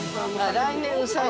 来年うさぎ。